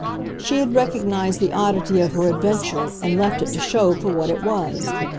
She had recognised the oddity of her adventure and left it to show for what it was.